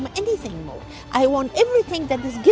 saya tidak ingin bertanya apa apa lagi